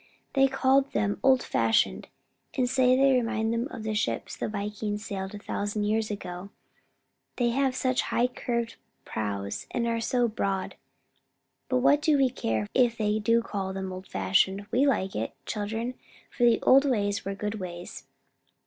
"They call them old fashioned and say they remind them of the ships the Vikings sailed in a thousand years ago, they have such high curved prows and are so broad. But what do we care if they do call them old fashioned? We like it, children, for the old ways were good ways."